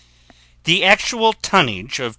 The actual tonnage of T.